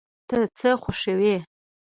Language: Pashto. ته څه خوښوې؟